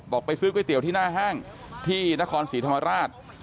ไปซื้อก๋วยเตี๋ยวที่หน้าห้างที่นครศรีธรรมราช